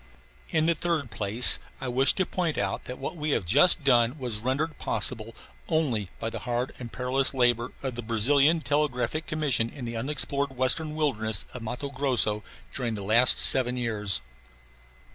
In the third place I wish to point out that what we have just done was rendered possible only by the hard and perilous labor of the Brazilian Telegraphic Commission in the unexplored western wilderness of Matto Grosso during the last seven years.